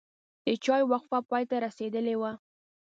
د چای وقفه پای ته رسیدلې وه.